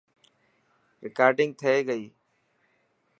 رڪارڊنگ ٿي گئي.